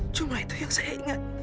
cuma itu yang saya ingat